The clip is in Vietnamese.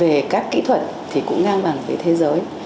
về con người về các kỹ thuật thì cũng ngang bằng với thế giới